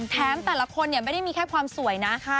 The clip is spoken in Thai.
แถมแต่ละคนไม่ได้มีแค่ความสวยนะ